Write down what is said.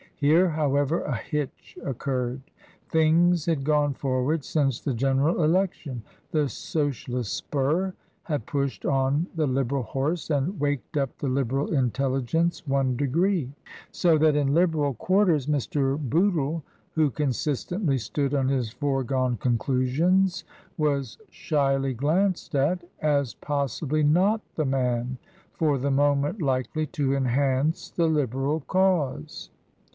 Here, however, a hitch occurred. Things had gone forward since the General Election ; the Socialist spur had pushed on the Liberal horse and waked up the Liberal intelligence one degree ; so that in Liberal quarters Mr. Bootle, who consistently stood on his foregone conclusions, was shyly glanced at, as possibly not the man for the moment likely to enhance the Liberal cause.